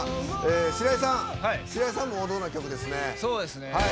白井さんも、王道な曲ですね。